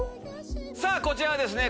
さぁこちらはですね